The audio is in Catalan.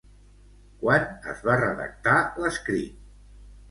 Quan es va redactar l'escrit?